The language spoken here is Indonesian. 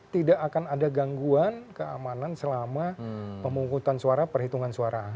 tidak akan ada gangguan keamanan selama pemungkutan suara perhitungan suara